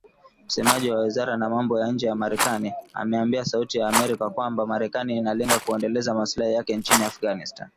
Msemaji wa wizara ya mambo ya nje ya Marekani, ameambia Sauti ya Amerika kwamba Marekani inalenga kuendeleza maslahi yake nchini Afghanistan